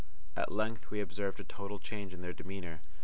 At length we observed a total change in their demeanour.